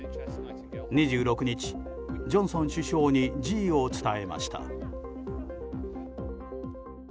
２６日、ジョンソン首相に辞意を伝えました。